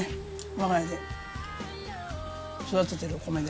我が家で育ててるお米で。